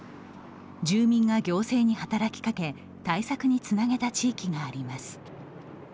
住民が行政に働きかけ対策につなげた地域があります。